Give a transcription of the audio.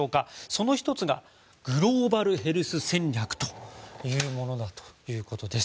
その１つがグローバルヘルス戦略というものだということです。